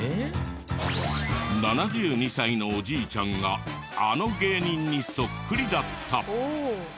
７２歳のおじいちゃんがあの芸人にそっくりだった！